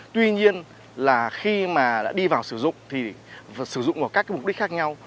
tuy nhiên là khi mà đã đi vào sử dụng thì sử dụng vào các mục đích khác nhau